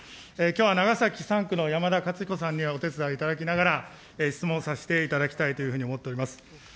きょうは長崎３区の山田勝彦さんにお手伝いいただきながら、質問させていただきたいというふうに思っております。